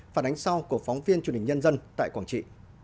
phản ánh sau của phóng viên truyền hình nhân dân tại quảng trị